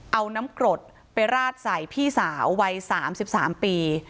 เอาน้ำกรดไปราดใส่พี่สาววัย๓๓ปี